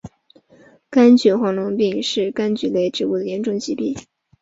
柑橘黄龙病是柑橘类植物的严重疾病。